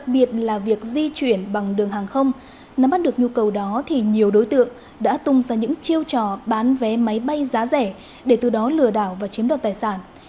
đặc biệt là việc di chuyển bằng đường hàng không nắm bắt được nhu cầu đó thì nhiều đối tượng đã tung ra những chiêu trò bán vé máy bay giá rẻ để từ đó lừa đảo và chiếm đoạt tài sản